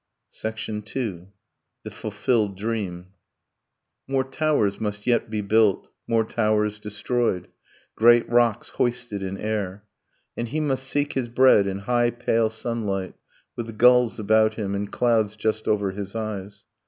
II. THE FULFILLED DREAM More towers must yet be built more towers destroyed Great rocks hoisted in air; And he must seek his bread in high pale sunlight With gulls about him, and clouds just over his eyes